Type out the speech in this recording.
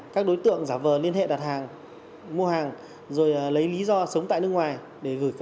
các đối tượng giả vờ liên hệ đặt hàng mua hàng rồi lấy lý do sống tại nước